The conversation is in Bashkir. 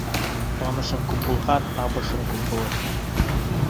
Танышын күп булһа, табышың күп булыр.